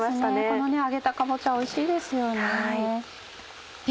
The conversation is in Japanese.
この揚げたかぼちゃおいしいですよね。